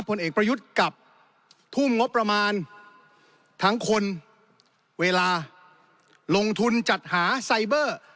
ผลเอกประยุทธ์กลับทุ่มงบประมาณทั้งคนเวลาลงทุนจัดหาไซเบอร์